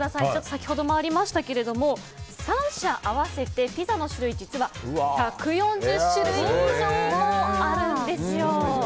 先ほどもありましたが３社合わせてピザの種類１４０種類以上もあるんです。